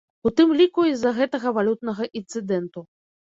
У тым ліку і з-за гэтага валютнага інцыдэнту.